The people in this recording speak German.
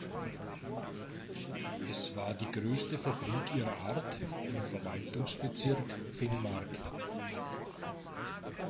Es war die größte Fabrik ihrer Art im Verwaltungsbezirk Finnmark.